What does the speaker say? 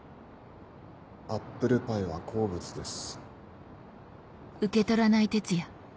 アップルパイは好物です。